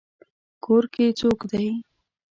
کور کې څوک دی؟